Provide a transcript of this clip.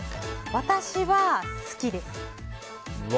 私は、好きです。